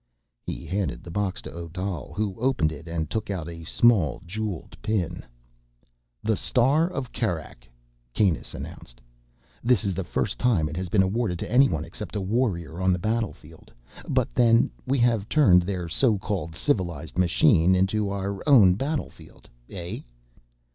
He handed the box to Odal, who opened it and took out a small jeweled pin. "The Star of Kerak," Kanus announced. "This is the first time it has been awarded to anyone except a warrior on the battlefield. But then, we have turned their so called civilized machine into our own battlefield, eh?"